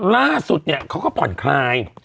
ล่าสุดเขาก็ผ่อนคลาย